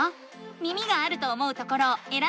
耳があると思うところをえらんでみて。